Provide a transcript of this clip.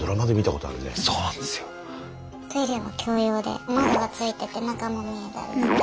トイレも共用で窓がついてて中も見えたりして。